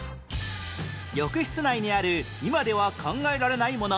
浴室内にある今では考えられないもの